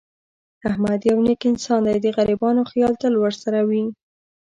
احمد یو نېک انسان دی. د غریبانو خیال تل ورسره وي.